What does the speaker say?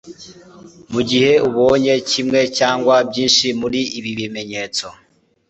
Mu gihe ubonye kimwe cg byinshi muri ibi bimenyetso